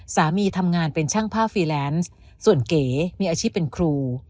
สามีทำงานเป็นช่างภาพฟรีแลนซ์ส่วนเก๋มีอาชีพเป็นครู